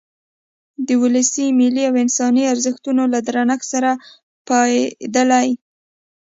د ولسي، ملي او انساني ارزښتونو له درنښت سره پاېدلی.